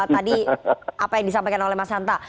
tadi apa yang disampaikan oleh mas hanta